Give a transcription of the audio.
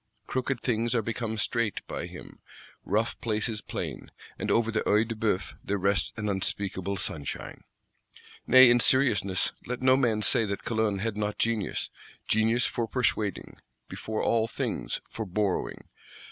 Crooked things are become straight by him, rough places plain; and over the Œil de Bœuf there rests an unspeakable sunshine. Nay, in seriousness, let no man say that Calonne had not genius: genius for Persuading; before all things, for Borrowing.